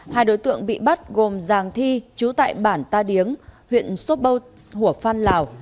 hai đối tượng bị bắt gồm giàng thi chú tại bản ta điếng huyện sốt bâu hủa phan lào